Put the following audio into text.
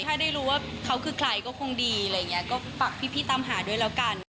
ถ้าได้รู้ว่าเขาคือใครก็คงดีอะไรอย่างนี้ก็ฝากพี่ตามหาด้วยแล้วกัน